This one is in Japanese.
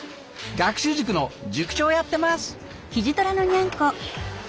学習塾の塾長やってます。